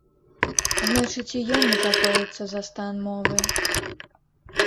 Значыць і ён непакоіцца за стан мовы.